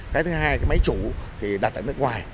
cái thứ hai cái máy chủ thì đặt tại nước ngoài